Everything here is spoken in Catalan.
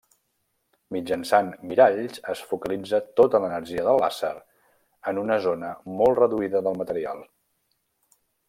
Mitjançant miralls es focalitza tota l'energia del làser en una zona molt reduïda del material.